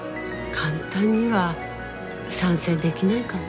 簡単には賛成できないかな。